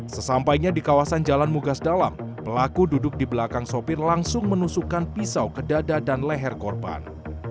sesampainya di kawasan jalan mugas dalam pelaku duduk di belakang sopir langsung menusukkan pisau ke dada dan leher korban